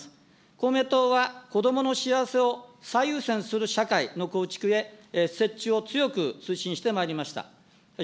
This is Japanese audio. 公明党は、こどもの幸せを最優先する社会の構築へ、設置を強く推進してまいりました。